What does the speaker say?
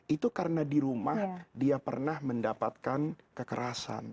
itu karena di rumah dia pernah mendapatkan kekerasan